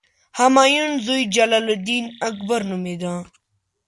همایون زوی جلال الدین اکبر نومېده.